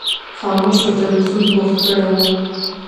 خاموش په تلویزیون بوخت کړی و.